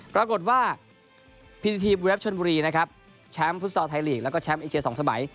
ปรากฏว่าพีทีธีปวิรับชนบุรีแชมป์ฟุตซอลไทยลีกแล้วก็แชมป์อีเชษสองสมัย